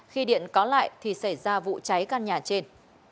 khi điện có lại thì xảy ra vụ cháy căn nhà trên